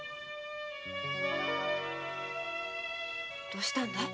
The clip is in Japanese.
どうしたんだい？